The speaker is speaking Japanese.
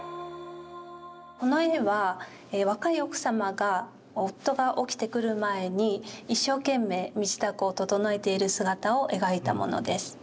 この絵は若い奥様が夫が起きてくる前に一生懸命身支度を整えている姿を描いたものです。